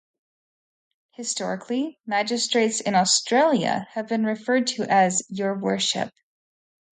Historically, Magistrates in Australia have been referred to as "Your Worship".